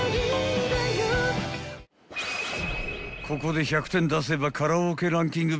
［ここで１００点出せばカラオケランキング